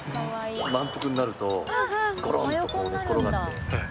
満腹になるとゴロンとこう寝っ転がって。